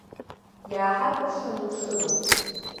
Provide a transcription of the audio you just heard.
Иааҳакәыршан мшынуп.